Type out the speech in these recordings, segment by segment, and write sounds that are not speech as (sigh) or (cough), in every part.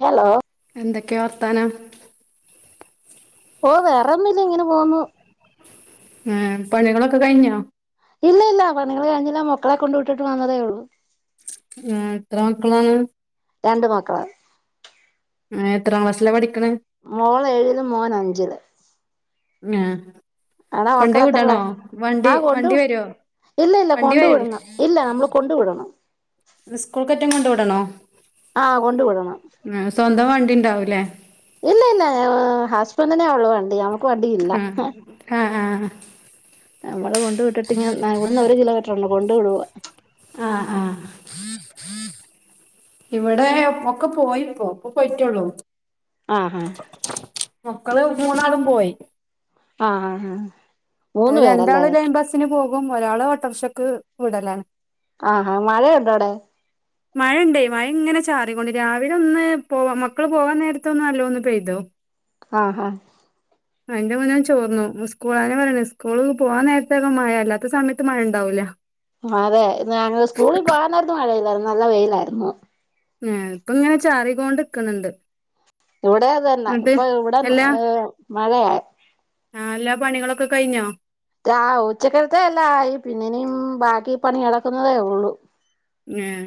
Hello എന്തെക്കെ വർത്താനം? ഓഹ് വേറെന്നുല്ല ഇങ്ങനെ പോവുന്നു. ആഹ് പണികളൊക്കെ കയ്ഞ്ഞോ? ഇല്ല ഇല്ലാ പണികൾ കഴ്ഞ്ഞില്ല മക്കളെ കൊണ്ട് വിട്ട്ട്ട് വന്നതേഒള്ളൂ. ഏഹ് എത്ര മക്കളാണ്? രണ്ട് മക്കള്. ഏഹ് എത്രം ക്ലാസ്സിലപഠിക്ക്ണ്? മോളേഴിലും മോനഞ്ച് ലും ങ്ങാഹ് ആടാ മക്കള് കൊണ്ടോയ് എത്രയിലാ വിടണോ ആ വണ്ടി കൊണ്ടു വണ്ടി വെരോ? ഇല്ല ല്ലാ കൊണ്ട് വിടണം ഇല്ല നമ്മള് കൊണ്ട് വിടണം. സ്കൂൾകറ്റം കൊണ്ട് വിടണോ? ആഹ് കൊണ്ട് വിടണം. ആഹ് സ്വന്തം വണ്ടിണ്ടാവുലേ? ഇല്ല ഇല്ലാ ഏഹ് ഹസ്ബെന്റിനെ ഒള്ളൂവണ്ടി നമക്ക് വണ്ടിയില്ല. ആ ആ ആ ന്നമ്മള് കൊണ്ട് വിട്ടിട്ട്ങ്ങെ ഇവിടുന്ന് ഒരു കിലോമീറ്റെറൊള്ളു കൊണ്ട് വിടുവ. ആഹ്, ആഹ് ഇവടെ ഒക്കെ പോയിപ്പോഇപ്പോ പോയ്റ്റൊള്ളൂ. ആഹ്, ആഹ് മക്കള് മൂന്നാളുംപോയി. ആഹ് മൂന്ന് അവര് പേരല്ലേ രണ്ടാള് ലൈൻബസിന് പോകും ഒരാള് ഓട്ടോർഷക്ക് വിടലാണ് ആഹാ മഴയുണ്ടോ അവിടെ (unintelligible) മഴണ്ടേ മഴങ്ങനെ ചാറീകൊണ്ട് രാവിലെ ഒന്ന് പോവാ മക്കള് പോവാൻ നേരത്തൊന്ന് നല്ലോന്ന് പെയ്തു ആഹ് ആഹ് അയ്ന്റെ മുന്നേന് ചോർന്നു സ്കൂളയെന്നേ പറയ്ണെ സ്കൂൾ പോവാൻ നേരത്തേക്കെ മഴ അല്ലാത്ത സമയത്ത് മഴണ്ടാവൂല അതെ ഇന്ന് ഞങ്ങ സ്കൂളിൽ പോകാൻ നേരത്ത് മഴയില്ലായിരുന്നു നല്ല വെയിലായിരുന്നു ഏഹ് പ്പങ്ങനെ ചാറീകോണ്ട്ക്ക്‌ണ്ട് ഇവിടെതന്നെ ഇപ്പൊ ഇവിടെം എല്ലാ മഴയാ ആഹ് ല്ലാ പണികളൊക്കെ കഴിഞ്ഞോ രാ ഉച്ചക്കരത്തേ എല്ലാം ആയി പിന്നിനെയും ബാക്കി പണികളൊക്കുന്നതേ ഉള്ളു ഏഹ്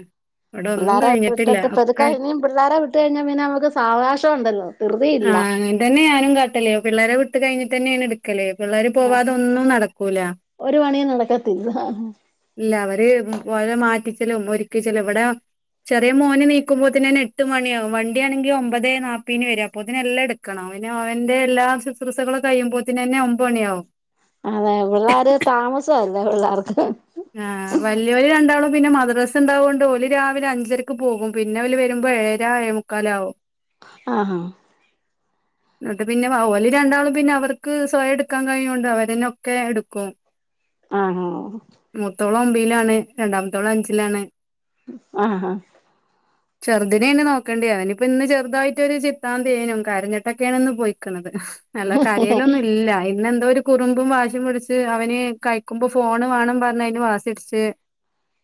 ഇവിടെ ഒന്നും പിള്ളേരെ കഴിഞ്ഞിട്ടില്ല ഒക്കെ ഇട്ടട്ട്പ്പതുക്കഴ്‌ഞ്ഞി പിള്ളാരെ വിട്ട് കഴിഞ്ഞാൽ പിന്നെ നമുക്ക് സാവകാശം ഉണ്ടല്ലോ ധൃതിയില്ല ആഹ് അങ്ങൻ തന്നെ ഞാനും കാട്ടല് പിള്ളേരെ വിട്ട് കഴ്‌ഞ്ഞ്ട്ടെന്നേണ് ഇട് ക്കല്ലേ പിള്ളേര് ആഹ് പോവാതൊന്നും നടക്കൂല ഒരു പണിയും നടക്കത്തില്ല ഇല്ല അവര് ഓലെ മാറ്റിച്ചലും ഒരുക്കിച്ചലും ഇവടെ ചെറിയ മോന് നീക്കുമ്പോത്തിനെന്നെ എട്ട് മണിയാവും വണ്ടിയാണെങ്കി ഒമ്പതേ നാപ്പീന് വരും അപ്പോത്തിനെല്ലാം എടുക്കണം പിന്നെ അവന്റെ എല്ലാ ശുശ്രൂഷകളും കയ്യുമ്പോത്തിനെന്നെ ഒമ്പണിയാവും അതെ പിള്ളേർ താമസല്ലേ പിള്ളാർക്ക് ആഹ് വല്യോല് രണ്ടാളും പിന്നെ മദ്രസ്ണ്ടാവോണ്ട് ഓല് രാവിലെ അഞ്ചരക്ക് പോകും പിന്നെ ഓൽ വരുമ്പോ ഏഴരാ എഴേ മുക്കാലാവും ആഹാ ന്നട്ട് പിന്നെ ഓല് രണ്ടാളും പിന്നെ അവർക്ക് സ്വയംടുക്കാൻ കഴിയ്ണോണ്ട് അവരന്നെ ഒക്കെ എടുക്കും (unintelligible) ആഹാ ആഹ് മൂത്തോളൊമ്പീലാണ് രണ്ടാമത്തോളഞ്ചിലാണ് ആഹ് ഹാ ചെറുതിനേന്നെ നോക്കണ്ടേ അവനിപ്പന്ന് ചെറുതായ്ട്ടൊര് ചിത്താന്ത്യേനും കരഞ്ഞി ക്കേണ്ന്ന് പൊയ്ക്ക്‌ണത് നല്ല കരയലൊന്നുല്ല ഇന്നെന്തോരു കുറുമ്പും വാശിയും പിടിച്ച് അവന് കഴിക്കുമ്പോ ഫോണ് വാണം പർഞ്ഞയ്ന് വാശിട്ച്ച്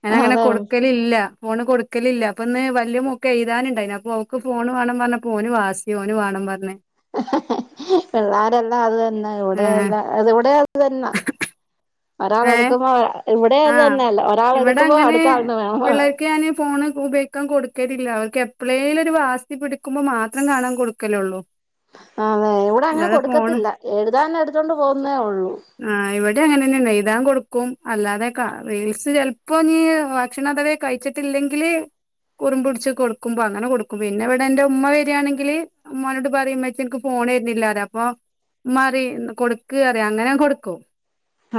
ഞാനങ്ങനെ അതെ കൊടുക്ക ലില്ല ഫോണ് കൊടുക്കലില്ല അപ്പൊന്ന് വല്യ മോക്കെഴ്‌താന്ണ്ടായിനപ്പോക്ക് ഫോണ് വാണം പർഞ്ഞപ്പോന് വാസി ഓന് വാണം പർഞ്ഞ് പിള്ളേരെല്ലാം അത് തന്നെ ഏഹ് ഇവിടെയെല്ല അതിവിടെ അതന്ന ഏഹ് ഒരാളെഎടുക്കുമ്പോ ഇവിടെ അത് ആഹ് തന്നെ അല്ല ഒരാൾ എടുക്കുമ്പോ അടുത്ത ആള്ന് വേണം ക്കെഞാന് ഫോണ് ഉപയ ക്കാൻ കൊടുക്കടലില്ല അവർക്കെപ്പളേലൊരു വാസി പിടിക്കുമ്പോ മാത്രം കാണാൻ കൊടുക്കലുള്ളൂ അതെ ഇവിടെ അങ്ങനെ അല്ലാതെ ഫോണ് കൊടുക്കത്തില്ല എഴുതാനെടുത്തോണ്ട് പോകുന്നേ ഉള്ളൂ ആഹ് ഇവിടേം അങ്ങനന്നെ എയ്താൻ കൊടുക്കും അല്ലാതെ ക റീൽസ് ചെലപ്പൊനീ ഭക്ഷണതവേ കഴിച്ചിട്ടില്ലെങ്കില് കുറുമ്പുടിച്ച് കൊടുക്കുമ്പോ അങ്ങനെ കൊടുക്കും പിന്നെവിടെ എന്റുമ്മ വരാണെങ്കില് ഉമ്മാനോട് പറയും ഉമ്മച്ചി ഇനിക്ക് ഫോണ്തരണില്ലാറയും അപ്പൊ ഉമ്മാറിയും കൊടുക്ക്റയും അങ്ങനെ കൊടുക്കും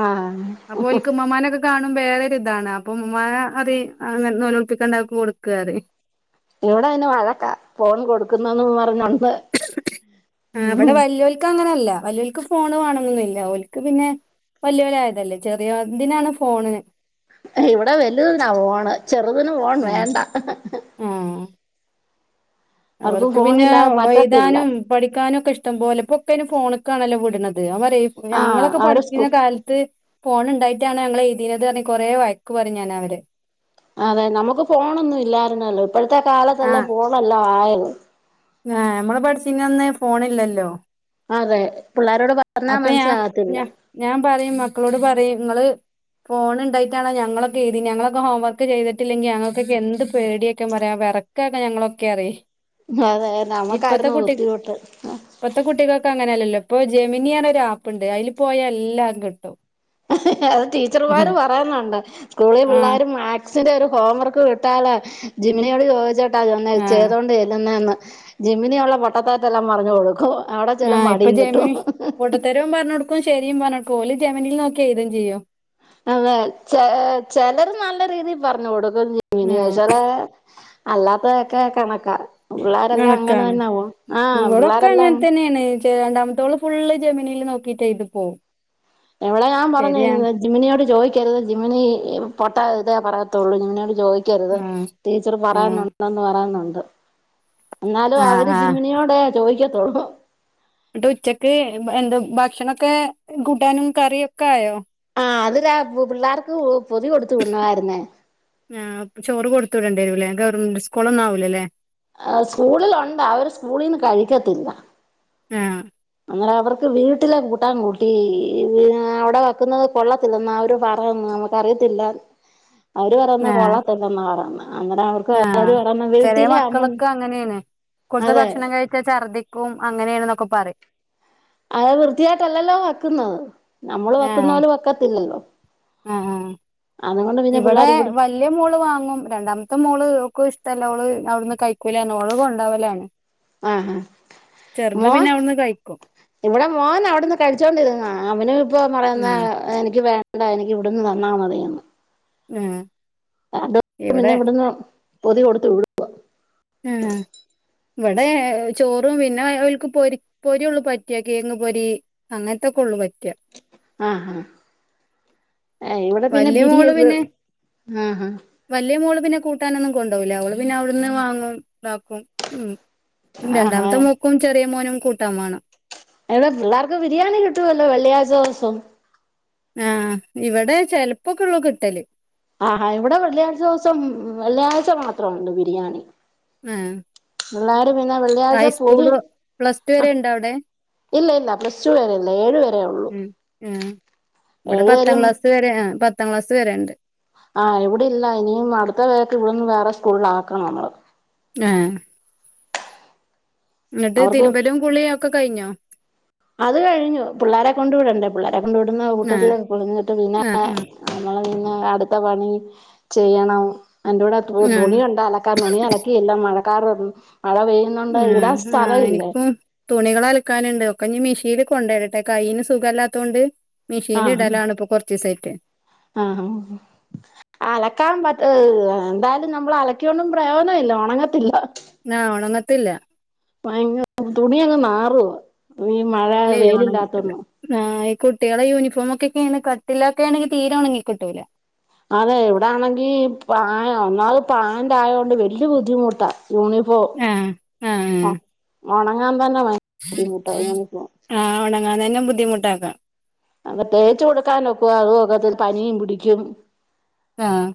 ആഹ് അപ്പോൽക്ക് ഉമ്മമ്മാനെ കാണുമ്പൊ വേറൊരിതാണ് അപ്പം ഉമ്മുമ്മാ അത് അങ്ങനെ നൊലോൾപ്പിക്കണ്ട അത് കൊടുക്ക്‌റയും ഇവിടതിന് വഴക്കാ ഫോൺ കൊടുക്കുന്നന്ന് പറഞ്ഞോണ്ട് ആഹ് ഇബടെ ഉം വല്യോൽക്കങ്ങനല്ല വല്യോൽക്ക് ഫോണ് വേണംന്നൊന്നുല്ല ഓൽക്ക് പിന്നെ വല്ല്യോലായതല്ലേ ചെറിയതിനാണ് ഫോണ് ഇവിടെ വലുതിനാ ഫോണ് ചെറുതിന് ഫോൺ ഉം വേണ്ട ആഹ് അവർക്ക് പിന്നെ ഫോണില്ലാതെ പറ്റത്തില്ല വെയ്താനും പഠിക്കാനൊക്കെ ഇഷ്ടം പോലെ ഇപ്പൊക്കെ അയ്ന് ഫോണ്ക്കാണല്ലൊ വിടുന്നത് ഞാൻ പറയും ആഹ് ഞങ്ങളൊക്കെ അവര് സ്കൂ പഠിച്ചീന കാല ത്ത് ഫോണ് എണ്ടായിറ്റാണോ ഞങ്ങളെഴുതീനത് പറഞ്ഞ് കൊറേ വഴക്ക് പറയും ഞാനവരെ അതെ നമുക്ക് ഫോണൊന്നും ഇല്ലായിരുന്നല്ലോ ഇപ്പഴത്തെ കാലത്തല്ലെ ആഹ് ഫോണെല്ലാം ആയത് ആഹ് ഞമ്മള് പഠിച്ചീനന്ന് ഫോണ് ഇല്ലല്ലൊ അതെ പിള്ളാരോട് പറഞ്ഞാ ഞാ മനസ്സിലാകത്തില്ല ഞാ ഞാൻ പറയും മക്കളോട് പറയും ഇങ്ങള് ഫോണ് ഇണ്ടായിട്ടാണാ ഞങ്ങളൊക്കെ എഴ്തീനെ ഞങ്ങളൊക്കെ ഹോം വർക്ക് ചെയ്തിട്ടില്ലെങ്കി ഞങ്ങക്കൊക്കെ എന്ത് പേടിയാറ്റാം പറയാ വെറ ക്കക്കെ ഞങ്ങളൊക്കെ അറിയ് അതെ നമക്കായിരുന്നു ബുദ്ധിമുട്ട് ഇപ്പത്തെ കുട്ടികക്ക് അങ്ങനെയല്ലല്ലോ ഇപ്പൊ ജെമിനി പറഞ്ഞൊരു ആപ്പിണ്ട് അതില് പോയാ എല്ലാം കിട്ടും അത് ഉം ടീച്ചർമ്മാരും പറയുന്നുണ്ട് സ്കൂളി ആഹ് പിള്ളേരും മാത്‌ സിന്റെ ഒരു ഹോം വർക്ക് വിട്ടാല് ജമിനിയോട് ചോദിച്ചിട്ടാ ചെന്ന് ആഹ് ചെയ്തോണ്ട് ചെല്ലുന്നേന്ന് ജമിനിയൊള്ള പൊട്ട തെറ്റെല്ലാം പറഞ്ഞ് കൊടുക്കും അവിടെ ചെല്ലുമ്പോ ആഹ് ഇപ്പൊ അടിയും കിട്ടും ജമിനി പൊട്ടത്തരവും പറഞ്ഞ് കൊടുക്കും ശരിയും പറഞ്ഞ് കൊടുക്കും ഓല് ജമിനിൽ നോക്കി എഴുതോം ചെയ്യും അതെ ചെ ചെലര് നല്ല രീതി പറഞ്ഞു കൊടുക്കും ജെമിനി ആഹ് ചെലേ അല്ലാത്തതെക്കേ കണക്കാ പിള്ളേരെല്ലാം അങ്ങനെ ഞണക്കാണ് തന്നെ പോവും ആഹ് ഇവിടൊക്കെ പിള്ളേരെല്ലാം അങ്ങൻതന്നേണ് രണ്ടാമത്തോള് ഫുള്ള് ജമിനീല് നോക്കീട്ടെഴുതി പോവും ഇവിടെ ഞാൻ പറഞ്ഞു ശരിയാണ് ഇന്ന് ജമിനിയോട് ചോദിക്കരുത് ജമിനി പൊട്ട ഇതേ പറയത്തൊള്ളു ജമിനിയോട് ചോദി ക്കരുത് ആഹ് ടീച്ചർ ആഹ് പറയുന്നുണ്ടെന്ന് പറയുന്നുണ്ട് എന്നാലും ആഹ് അവര് ആഹ് ജിമിനിയോടെ ചോദിക്കത്തൊള്ളൂ എന്നട്ട് ഉച്ചക്ക് എന്ത് ഭക്ഷണൊക്കെ കൂട്ടാനും കറിയൊക്കെ ആയോ ആഹ് അത് രാ പിള്ളേർക്ക് പൊതി കൊടുത്ത് വിടണാമായിരുന്നേ ആഹ് ചോറ് കൊടുത്ത് വിടണ്ടി വരൂല്ലേ ഗവർമെന്റ് സ്കൂളൊന്നും ആവൂലല്ലേ ആഹ് സ്കൂളിലൊണ്ട് അവര് സ്കൂളീന്ന് കഴിക്കത്തില്ല ആഹ് അങ്ങനെ അവർക്ക് വീട്ടിലെ കൂട്ടാൻ കൂട്ടി വീ അവിടെ വെക്കുന്നത് കൊള്ളത്തില്ലെന്നാ അവര് പറയുന്നെ നമു ക്കറിയത്തില്ല (inaudible) അവര് പറയുന്ന ആഹ് കൊള്ളത്തില്ലന്ന പറയുന്ന അങ്ങനെ അവർക്ക് ആഹ് അവര് പറയുന്ന വീട്ടിലെ ആവുമ്പം സ്‌കൂൾത്തെ ഭക്ഷണം കഴിച്ചാ ഛർദ്ദിക്കും അങ്ങനേണന്നൊക്കെ പറയും അത് വൃത്തിയായിട്ടല്ലല്ലോ വെക്കുന്നത് നമ്മള് വെക്കുന്ന ആഹ് പോലെ വെക്കത്തില്ലല്ലൊ ആഹ് ആഹ് ഇവിടെ വ വലിയ മോള് വാങ്ങും രണ്ടാമത്തെ മോള് ഓക്ക് ഇഷ്ടല്ല അവള് അവിടുന്ന് കഴിക്കൂല പറഞ്ഞ് ഓള് കൊണ്ടോവലാണ് ആഹ് ചെർത് പിന്നെ മോൻ അവിട്ന്ന് കഴി ഇവിടെ മോൻ അവിടുന്ന് കഴിച്ചോണ്ടിരുന്നതാ അവനും ഇപ്പൊ പറയുന്നെ ഉം എനിക്ക് വേ ണ്ടാ എനിക്ക് ഇവിടുന്ന് തന്നാ മതിയന്ന് ഉം അതോണ്ട് പിന്നെ ഇവിടെ ഇവിടുന്ന് പൊതി കൊടുത്ത് വിടും ഏഹ് ഇവിടെ ചോറും പിന്നെ ഓൽക്ക് പൊരി പൊരി ഒള്ളു പറ്റാ കേങ്ങ് പൊരി അങ്ങൻത്തെക്കൊള്ളൂ പറ്റിയ ആഹ് ആഹ് ഏ ഇവിടെ പിന്നെ വല്യ ബിരിയ് ബ് ആഹ് ആഹ് വലിയ മോള് പിന്നെ കൂട്ടാനൊന്നും കൊണ്ടോവൂല്ല ഓള് പിന്നെ അവിടുന്ന് വാങ്ങും ഇതാക്കും ഉം ആഹാ രണ്ടാമത്തെ മോക്കും ചെറിയ മോനും കൂട്ടാൻ വാണം എടെ പിള്ളർക്ക് ബിരിയാണി കിട്ടുവല്ലോ വെള്ളിയാഴ്ച ദിവസം ആഹ് ഇവിടെ ചെലപ്പൊക്കെ ഒള്ളു കിട്ടല് ആഹാ ഇവിടെ വെള്ളിയാഴ്ച ദിവസം വെള്ളിയാഴ്ച മാത്രഉണ്ട് ബിരിയാണി ആഹ് പിള്ളേര് പിന്നെ വെള്ളിയാഴ്ച പൊതി ഹൈസ്കൂള് പ്ലസ് ടു വരെ ആഹ് ഇണ്ടോ അവിടെ ഇല്ല ഇല്ല പ്ലസ് ടു വരെ ഇല്ല ഏഴ് വരെ ഒള്ളൂ. ഉം ഉം ഇവിടെ പത്താം ക്ലാസ് വരെ ആ പത്താം ക്ലാസ് വരണ്ട്. ആ ഇവിടെ ഇല്ല ഇനിയും അടുത്ത പേരക്ക് ഇവിടെന്ന് വേറെ സ്കൂളിൽ ആക്കണം നമ്മള്. ആഹ് എന്നിട്ട് അവർക്ക് തിരുമ്പലും കുളിയും ഒക്കെ കഴിഞ്ഞോ. അത് കഴിഞ്ഞു പിള്ളേരെ കൊണ്ട് വിടണ്ടേ പിള്ളേരെെ കൊണ്ട് വിടുന്ന ആ കൂട്ടത്തി കുളിഞ്ഞിട്ട് പിന്നെ. ആ ആ നമ്മൾ പിന്നെ അടുത്ത പണി ചെയ്യണം അന്റെ കൂടെ തു ആ തുണി ഉണ്ട് അല ക്കാൻ തുണി അലക്കിഇല്ല മഴക്കറും വന്നു മഴ പെയ്യുന്നുണ്ട് ആ, ഇടാൻ ആ സ്ഥലം ഇല്ലേ. എനിക്കും തുണികൾ അലക്കാനുണ്ട് ഒക്കെ ഇനി മിഷീനിൽ കൊണ്ട് ഇടട്ടെ കൈയിന് സുഖല്ലാത്തൊണ്ട്. മിഷീനിൽ ഇടലാണ് ഇപ്പാ കൊർച്ച്‌ ദിവസയിട്ട്. ആഹ അലക്കാൻ പറ്റ് ഏ എന്തായാലും നമ്മൾ അലക്കിയൊണ്ടും പ്രയോനം ഇല്ല ഒണങ്ങത്തില്ല. ലാ ഒണങ്ങത്തില്ല. ഭയങ്കര തുണി അങ്ങ് നാറൂവ ഈ മഴ ഇല്ലേ ഓണങ്ങി കിട്ടൂല. ആ ഈ കുട്ടികളെ യൂണഫോം ഒക്കെക്കെയണ് കട്ടിലൊക്കെ ആണെങ്കിൽ തീരെ ഒണങ്ങി ക്കിട്ടൂല. അതെ ഇവിടെ ആണെങ്കി പയാ ഒന്നാമത് പാന്റ് ആയൊണ്ട് വല്ല്യ ബുദ്ധിമുട്ടാ. യൂണിഫോം ആ ആ ഒണങ്ങാൻ തന്നെ വേ ആ ഒണങ്ങാൻ താന്നെ ബുദ്ധിമുട്ടാക്കാം. അങ്ങ് തേച്ച് കൊടുക്കാനൊക്കുവോ അതു ഒക്കത്തില്ല പനിയും പിടിക്കും. ആഹ്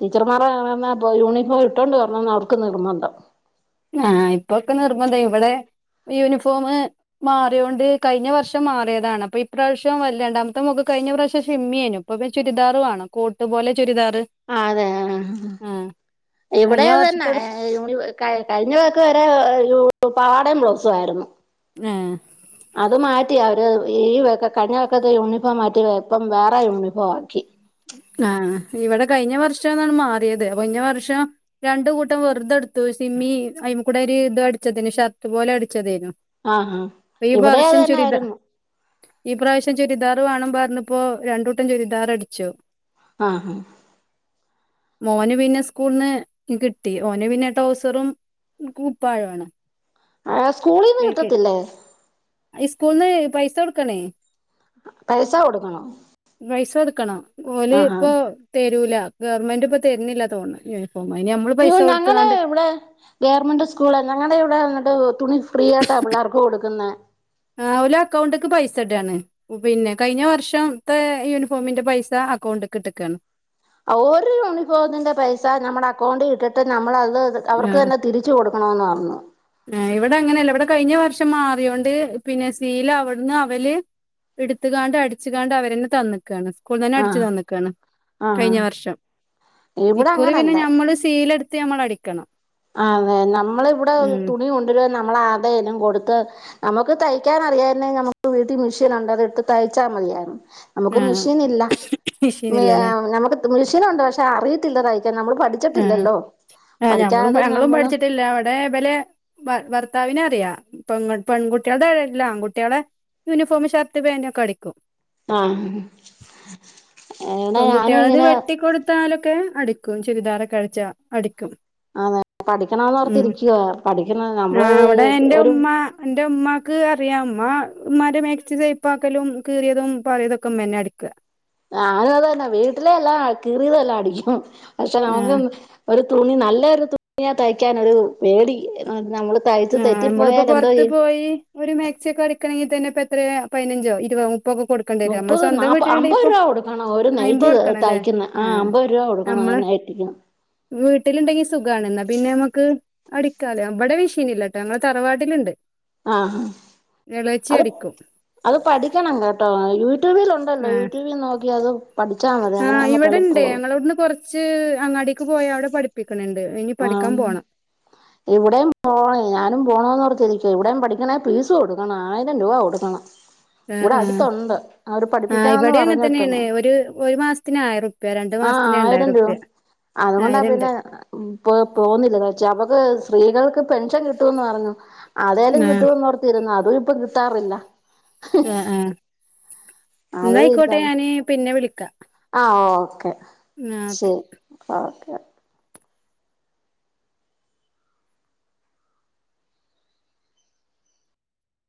ടീച്ചർമാർ പറാന്ന ഇപ്പൊ യൂണിഫോം ഇട്ടോണ്ട് വർനൊന്ന് അവർക്ക് നിർബന്ധം. ആ ഇപ്പൊക്കെ നിർബന്തം ഇവിടെ യൂണിഫോമ്. മാറിയൊണ്ട് കഴിഞ്ഞ വർഷം മാറിയതാണ് അപ്പൊ ഇപ്രാവശ്യം വല്യ രണ്ടാമത്തെ മോക് കഴിഞ്ഞ പ്രാവശ്യം ഷിമ്മിയേനും. ഇപ്പ ഒക്കെ ചുരിദാറ് വാണംകൊട്ട് പോല ചുരിദാറ് അതെ ആഹ് ആഹ് ഇവിടെ കഴിഞ്ഞ അത് തന്നെ. വർഷത്തോട് ഏ യൂണിഫോം കഴി കഴിഞ്ഞ വേക്ക് വരെ ഏ യൂണി പാവാടെം ബ്ലൗസുംആരുന്നു. ആഹ് അത് മാറ്റി അവര് ഈ വക കഴിഞ്ഞ വക്കത്തെ യൂണിഫോം മാറ്റി ഇപ്പം വേറെ യൂണിഫോം ആക്കി.. ആഹ് ഇവിടെ കഴിഞ്ഞ വർഷം ആണ് മാറിയത് കഴിഞ്ഞ വർഷം. രണ്ടു കൂട്ടം വെറുതെടുത്തു സിമ്മി അയിമ്മാകൂടെ ഒരു ഇത് അടിച്ചതേന് ഷർട്ട് പോലെ അടിച്ചതേയ്രുന്നു ആഹ് ആഹ് ഈ ഇവിടെ അത് വർഷം തന്നെ ചുരിതാ ആയിരുന്നു ഈ പ്രാവശ്യം ചുരിദാർ വേണം പറഞ്ഞപ്പോ രണ്ടൂട്ടം ചുരിദാർ അടിച്ചു.. ആഹ് ഹാ.. മോന് പിന്നെ സ്കൂളിന് കിട്ടി ഓനു പിന്നെ ടോസറും കൂപ്പായാണ്. ആ സ്കൂളിന്ന് കിട്ടത്തില്ലേ. സ്കൂളിന്ന് പൈസ കൊടുക്കാണേ. പൈസാ കൊടുക്കണോ. പൈസ കൊടുക്കണം ഓല് ആഹ് ആഹ് ഇപ്പോതരൂല ഗവൺമെന്റ് ഇപ്പ തരുന്നില്ല തോന്ന്‌ണ്. ഇനി അമ്മള് പൈസ കൊടുത്താണ്ട്.. ഇവ്ടെ ഗവൺമെന്റ് സ്കൂളാ ഞങ്ങള്ടെ ഇവിടെ ഇങ്ങട് തുണി ഫ്രീ ആയിട്ടാണ് പിള്ളേർക്ക് കൊടുക്കുന്നെ. ആ ഓര് അക്കൗണ്ട്ക്ക് പൈസ ഇട് ആണ്.. പിന്നെ കഴിഞ്ഞ വർഷം ത്തെ യൂണിഫോമിന്റെ പൈസ അക്കൗണ്ട്ക്ക് ഇട്ട് ക്കാണ്. ഒരു യൂണിഫോമിന്റെ പൈസ നമ്മുടെ അക്കൗണ്ടിൽ ഇട്ടിട്ട് നമ്മളത് അവർക്ക് തന്നെ തിരി. തിരിച്ച് കൊടുക്കണമന്ന് പറഞ്ഞു. ഹെ ഇവിടെ അങ്ങനെയല്ല ഇവിടെ കഴിഞ്ഞ വർഷം മാറിയോണ്ട് പിന്നെ സീലാ അവിടുന്ന് അവര്. ഇട്ത്ത്കാണ്ട് അടിച്ചുകാണ്ട് അവരന്നെ തന്ന്ക്കാണ്. സ്ക്കൂൾന്ന് തന്നെ അടിച്ച് ആഹ് തന്ന്ക്കാണ് ആഹ് കഴിഞ്ഞ വർഷം. ഇവിടെ ഇക്കുറി പിന്നെ അങ്ങനല്ല ഞമ്മള് സീലെടുത്ത് ഞമ്മൾ അടിക്കണം. ആഹ് അതെ നമ്മള് ഇവിടെ ഉം തുണി കൊണ്ടുവരും നമ്മളാരേലും കൊടുത്ത് നമുക്ക് തയ്ക്കാൻ അറിയാര്ന്നേ നമുക്ക് വീട്ടിൽ മെഷീനുണ്ട് അത് ഇട്ട് തയ്ച്ചാ മതിയായിരുന്നു നമുക്ക് ആ മെഷീൻ ഇല്ല മിഷീനില്ലല്ലേ നമുക്ക് മെഷീനുണ്ട് പക്ഷെ അറിയത്തില്ല തയ്ക്കാൻ നമ്മള് പഠിച്ചിട്ടില്ലല്ലോ ആ ഞമ്മളും പഠിക്കാതെ ഞങ്ങളും നമ്മള് പഠിച്ചിട്ടില്ല ദേപലെ ഭർത്താവിനെ അറിയാം പെൺ പെൺകുട്ടികളുടെല്ല ആൺകുട്ടികളെ യൂണിഫോമ് ഷർട്ട് പാന്റ് ഒക്കെടിക്കും ആഹ് എടാ ഞാനും ഇങ്ങനെ ത്താലൊക്കെ അടിക്കും ചുരിദാറൊകഴിച്ചാ അടിക്കും അതെ ഉം പഠിക്കണന്ന്ഓർത്തിരിക്കുവ പഠിക്കണം നമ്മള് ആഹ് അവിടെ എന്റെ ഒരു ഉമ്മ എന്റെ ഉമ്മാക്ക് അറിയാം ഉമ്മ ഉമ്മാന്റെ മാക്സി ഷേപ്പ് ആക്കലും കീറിയതും പഴയതൊക്കെ ഉമ്മ തന്നെ അടിക്കുക ഞാനും അതന്നെ വീട്ടിലെ എല്ലാം കീറിയതെല്ലാം അടിക്കും പക്ഷെ നമുക്ക് ആഹ് ഒരു തുണി നല്ലൊരു തുണിയാ തയ്ക്കാൻ ഒരു പേടി നമ്മള് തയ്ച്ചു ആഹ് നമ്മളിപ്പോ തെറ്റിപ്പോയാൽ എന്തോ പുറത്ത് ചെയ്യും പോയി ഒരു മാക്സി ഒക്കെ അടുക്കണമെങ്കി തന്നെ ഇപ്പ എത്രയാ പതിനഞ്ചോ ഇരുപതോ മുപ്പൊ ഒക്കെ കൊടുക് മുപ്പത് നാപ്പ അമ്പത് രൂപ കൊടുക്കണം ഒരു അയിമ്പത് നൈറ്റി കൊടുക്കണം അല്ലേ തയ്ക്കുന്ന ആഹ് അമ്പത് രൂപ കൊടുക്കണം നമ്മള് (unintelligible) വീട്ടിലുണ്ടെങ്കി സുഖണെന്നാ പിന്നെ നമുക്ക് അടിക്കാല നമ്മടെ വി നില്ലാട്ട ഞങ്ങെ തറവാട്ടിലുണ്ട് ആഹ് ആ എളേച്ചി അത് അടിക്കും അത് പഠിക്കണം കേട്ടോ യൂട്യൂബിൽ ഉണ്ടല്ലോ ആഹ് യൂട്യൂബിൽ നോക്കി അതും ആഹ് ഇവിടെണ്ട് ഞങ്ങളവിടുന്ന് കൊറച്ച് കുച്ച് അങ്ങാടിക്ക് പോയി അവിടെ പഠിപ്പിക്കണണ്ട് ഇനി പഠിക്കാൻ ആ പോണം ഇവിടെയും പോണേ ഞാനും പോണം ന്നോർത്തിരിക്ക ഇവിടെയും പഠിക്കണേ പീസ് കൊടുക്കണം ആയിരം രൂപ കൊടുക്കണം ആഹ് ഇവിടെ ആഹ് അടുത്തുണ്ട് അവര് ആ പഠിപ്പിക്കാന്ന് ഇവിടെ അങ്ങെനെ പറഞ്ഞിട്ട് തന്നെയാണ് ഒരു ഒരു മാസത്തിന് ആയിരം റുപ്യ രണ്ടു ആ മാസത്തിന് രണ്ടായിരം ആയിരം റുപ്യ അതുകൊണ്ടാ പിന്നെ ഉം പ്പോ പോന്നില്ലാന്നച്ച് അവക്ക് സ്ത്രീകൾക്ക് പെൻഷൻ കിട്ടുമന്ന് പറഞ്ഞു അതെലും ആഹ് കിട്ടൂന്ന് ഓർത്തിരുന്ന് അതും ഇപ്പൊ കിട്ടാറില്ല ആഹ് ആഹ് ഇന്നായിക്കോട്ടെ ഞാന് പിന്നെ വിളിക്കാം ആഹ് ഓക്കെ ആഹ് ഓക്കെ ശരി ഓക്കെ